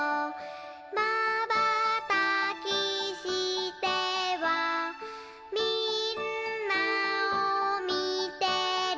「まばたきしてはみんなをみてる」